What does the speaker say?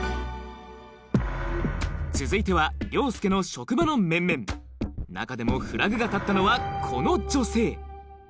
続いては凌介の職場の面々中でもフラグが立ったのはこの女性課長どうかされたんですか？